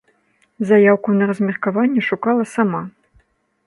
Заяўку на размеркаванне шукала сама.